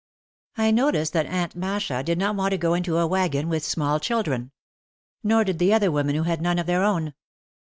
I noticed that Aunt Masha did not want to go into a wagon with small children. Nor did the other women who had none of their own.